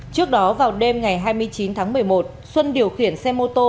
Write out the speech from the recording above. trước đó vào đêm ngày hai mươi chín tháng một mươi một xuân điều khiển xe mô tô